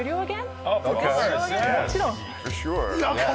もちろん。